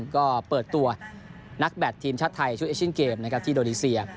ก็เปิดตัวนักแบตทีมชาติไทยชุดเอเชียนเกมที่โดนีเซีย